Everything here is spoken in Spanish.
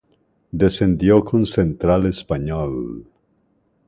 Descendió con Central Español